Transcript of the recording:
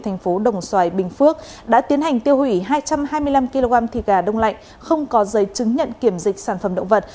thành phố đồng xoài bình phước đã tiến hành tiêu hủy hai trăm hai mươi năm kg thịt gà đông lạnh không có giấy chứng nhận kiểm dịch sản phẩm động vật